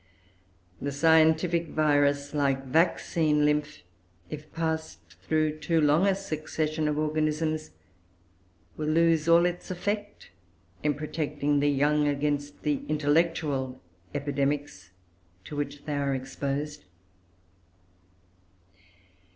The scientific virus, like vaccine lymph, if passed through too long a succession of organisms, will lose all its effect in protecting the young against the intellectual epidemics to which they are exposed.